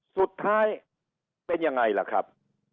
สุดท้ายเป็นยังไงล่ะครับ